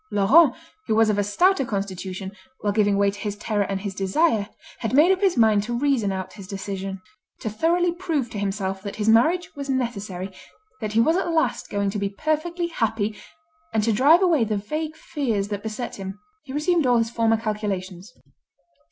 Laurent, who was of a stouter constitution, while giving way to his terror and his desire, had made up his mind to reason out his decision. To thoroughly prove to himself that his marriage was necessary, that he was at last going to be perfectly happy, and to drive away the vague fears that beset him, he resumed all his former calculations.